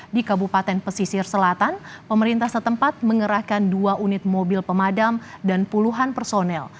di kabupaten pesisir selatan pemerintah setempat mengerahkan dua unit mobil pemadam dan puluhan personel